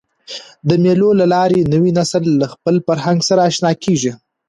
د مېلو له لاري نوی نسل له خپل فرهنګ سره اشنا کېږي.